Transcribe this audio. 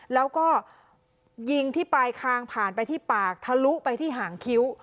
แล้วก็ยิงที่ปลายคางผ่านไปที่ปากทะลุไปที่หางคิ้ว